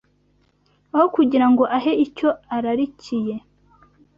Aho kugira ngo ahe icyo ararikiye